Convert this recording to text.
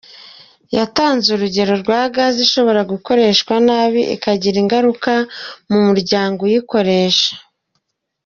Yatanze urugero rwa gaz ishobora gukoreshwa nabi ikagira ingaruka ku muryango uyikoresha.